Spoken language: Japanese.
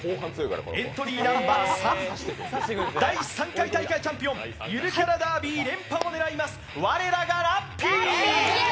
エントリーナンバー３第３回大会チャンピオンゆるキャラダービー連覇を狙います、我らがラッピー。